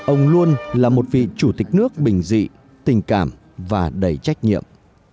ông luôn là một vị chủ tịch nước bình dị tình cảm và đầy trách nhiệm